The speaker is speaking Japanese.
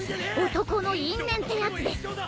男の因縁ってやつです。